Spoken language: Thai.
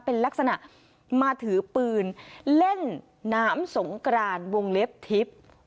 เป็นลักษณะมาถือปืนเล่นน้ำสงกรานวงเล็บทิพย์